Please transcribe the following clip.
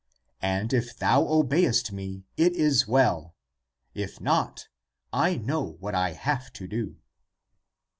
And if thou obey est me <it is well; if not,> I know what I have to do."